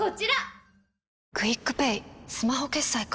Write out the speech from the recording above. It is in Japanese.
ＱＵＩＣＰａｙスマホ決済か。